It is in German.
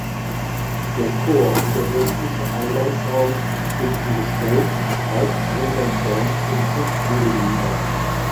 Der Chor und der westliche Eingangsraum sind in gestelzt halbrunder Form dem Schiff angegliedert.